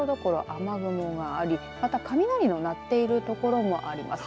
雨雲がありまた雷の鳴っている所もあります。